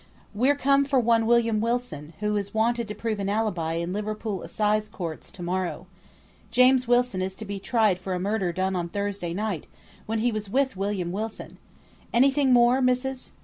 "We're come for one William Wilson, who is wanted to prove an alibi in Liverpool Assize Courts to morrow. James Wilson is to be tried for a murder, done on Thursday night, when he was with William Wilson. Any thing more, missis?"